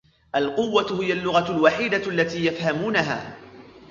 القوّة هي اللغة الوحيدة التي يفهموها.